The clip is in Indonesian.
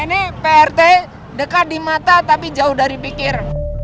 ini prt dekat di mata tapi jauh dari pikir